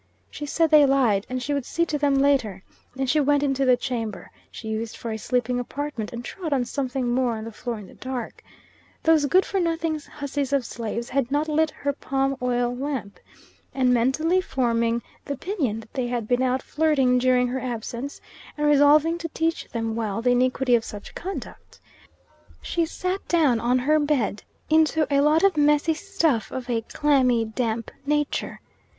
She said they lied, and she would see to them later, and she went into the chamber she used for a sleeping apartment, and trod on something more on the floor in the dark; those good for nothing hussies of slaves had not lit her palm oil lamp, and mentally forming the opinion that they had been out flirting during her absence, and resolving to teach them well the iniquity of such conduct, she sat down on her bed into a lot of messy stuff of a clammy, damp nature.